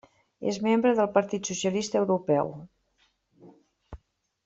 És membre del Partit Socialista Europeu.